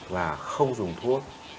và không dùng thuốc